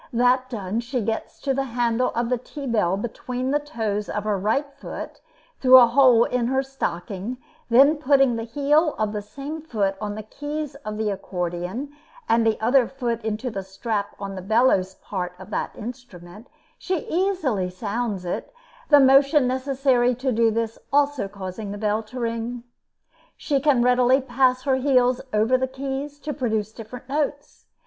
That done, she gets the handle of the tea bell between the toes of her right foot, through a hole in the stocking, then putting the heel of the same foot on the keys of the accordeon, and the other foot into the strap on the bellows part of that instrument, she easily sounds it, the motion necessary to do this also causing the bell to ring. She can readily pass her heels over the keys to produce different notes.